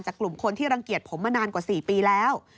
กลุ่มคนที่รังเกียจผมมานานกว่า๔ปีแล้ว